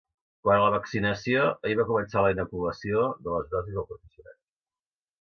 Quant a la vaccinació, ahir va començar la inoculació de les dosis al professorat.